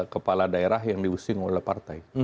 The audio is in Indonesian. kepala daerah yang diusung oleh partai